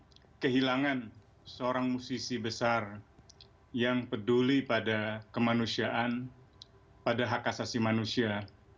dan kehilangan seorang musisi besar yang peduli pada kemanusiaan pada hak asasi manusia